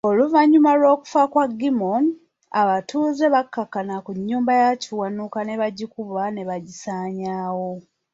Oluvanyuma lw'okufa kwa Gimmony, abatuuze bakkakkana ku nnyumba ya Kiwanuka ne bagikuba ne bagisanyaawo.